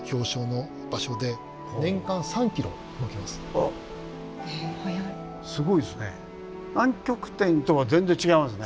あっすごいですね。